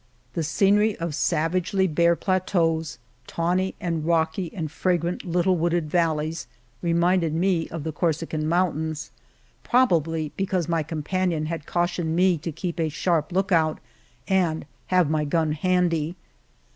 The sce nery of savagely bare plateaus, tawny and rocky and fragrant little wooded valleys, reminded me of the Corsican Mountains, probably because my companion had cau tioned me to keep a sharp lookout and have my gun handy.